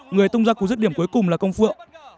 người tung ra cú dứt điểm cuối cùng là công phượng